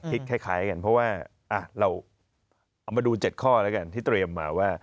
คิดคล้ายคล้ายกันเพราะว่าอ่ะเราเอามาดูเจ็ดข้อแล้วกันที่เตรียมมาว่า